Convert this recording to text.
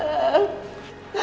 jangan lupa ya